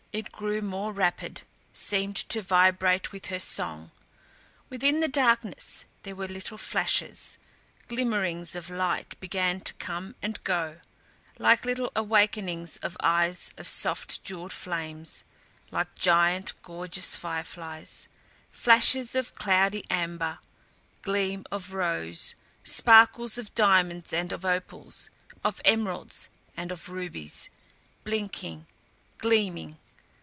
It grew more rapid, seemed to vibrate with her song. Within the darkness there were little flashes; glimmerings of light began to come and go like little awakenings of eyes of soft, jeweled flames, like giant gorgeous fireflies; flashes of cloudy amber, gleam of rose, sparkles of diamonds and of opals, of emeralds and of rubies blinking, gleaming.